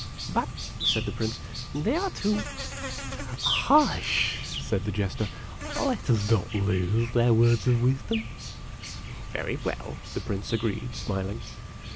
" But," said the Prince, "they are too "" Hush !" said the Jester ;" let us not lose their words of wisdom." " Very well," the Prince agreed, smiling.